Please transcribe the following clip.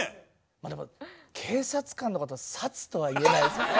でも警察官の方「サツ」とは言えないですよね。